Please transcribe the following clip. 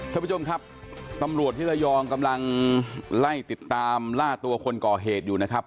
ท่านผู้ชมครับตำรวจที่ระยองกำลังไล่ติดตามล่าตัวคนก่อเหตุอยู่นะครับ